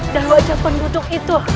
dan wajah penduduk itu